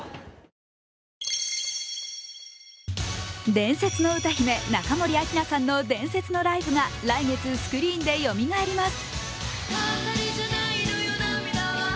伝説の歌姫、中森明菜さんの伝説のライブが来月、スクリーンでよみがえります。